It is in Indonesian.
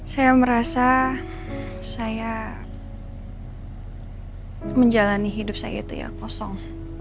saya merasa saya menjalani hidup saya itu ya kosong